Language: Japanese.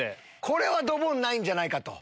これドボンないんじゃないかと。